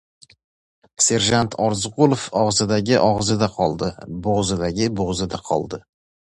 Serjant Orziqulov og‘zidagi og‘zida qoldi, bo‘g‘zidagi bo‘g‘zida qoldi.